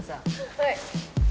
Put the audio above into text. はい。